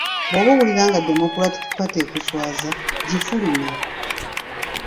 Bw'oba owulira nga Democratic Party ekuswaza, gifulume.